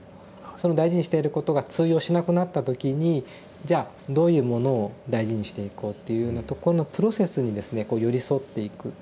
その大事にしていることが通用しなくなった時にじゃあどういうものを大事にしていこうっていうようなとこのプロセスにですねこう寄り添っていく。